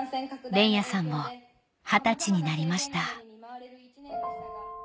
連也さんも二十歳になりました